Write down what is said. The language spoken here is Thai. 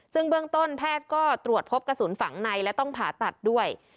ซึ่งเบื้องต้นแพทย์ก็ตรวจพบกระสุนฝังในและต้องผ่าตัดด้วย